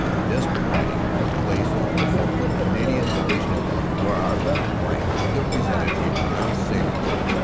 Desperate fighting took place on the 4th. Canadian Divisional front, where our left flank still presented a pronounced salient.